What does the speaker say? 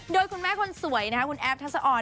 โดยคุณแม่คนสวยนะคะคุณแอฟทัศออน